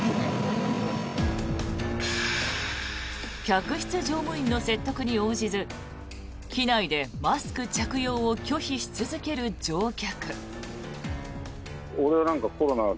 客室乗務員の説得に応じず機内でマスク着用を拒否し続ける乗客。